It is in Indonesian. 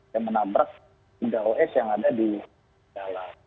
dan menabrak indah sos yang ada di dalam